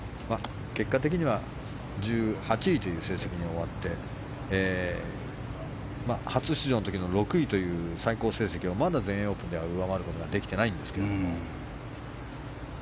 結果的には１８位という成績に終わって初出場の時の６位という成績をまだ全英オープンでは上回ることができてないんですけれども。